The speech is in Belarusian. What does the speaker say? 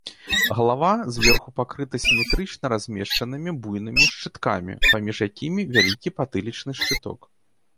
Галава зверху пакрыта сіметрычна размешчанымі буйнымі шчыткамі, паміж якімі вялікі патылічны шчыток.